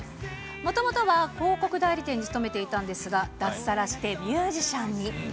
もともとは、広告代理店に勤めていたんですが、脱サラしてミュージシャンに。